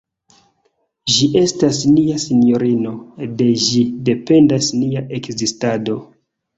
Ĝi estas nia sinjorino, de ĝi dependas nia ekzistado.